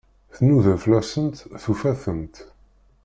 Tnuda fell-asent, tufa-tent.